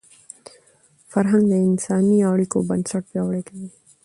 فرهنګ د انساني اړیکو بنسټ پیاوړی کوي.